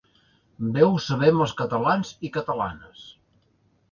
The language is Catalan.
Bé ho sabem els catalans i catalanes.